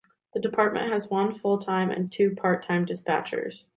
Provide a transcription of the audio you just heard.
The department has one full-time and two part-time dispatchers.